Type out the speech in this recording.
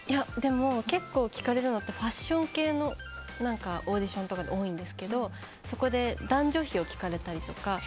結構聞かれるのってファッション系のオーディションとかが多いんですけどもそこで男女比を聞かれたりとか。